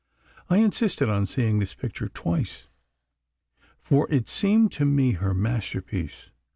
I insisted on seeing this picture twice, for it seemed to me her masterpiece.